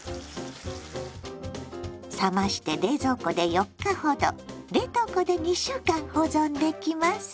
冷まして冷蔵庫で４日ほど冷凍庫で２週間保存できます。